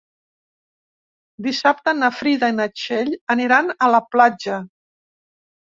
Dissabte na Frida i na Txell aniran a la platja.